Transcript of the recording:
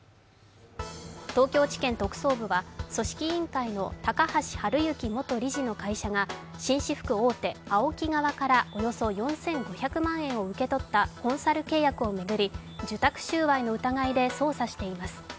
東京地検特捜部は、組織委員会の高橋治之元理事の会社が紳士服大手・ＡＯＫＩ側からおよそ４５００万円を受け取ったコンサル契約を巡り、受託収賄の疑いで捜査しています。